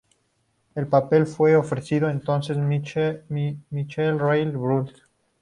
El papel fue ofrecido entonces Michael Reilly Burke.